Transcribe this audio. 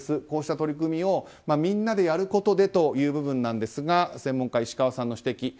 こうした取り組みをみんなでやることでという部分ですが専門家、石川さんの指摘。